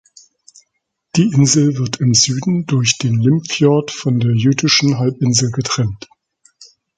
Die Insel wird im Süden durch den Limfjord von der jütischen Halbinsel getrennt.